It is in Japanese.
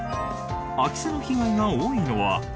空き巣の被害が多いのは。